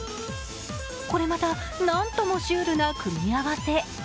これまた、なんともシュールな組み合わせ。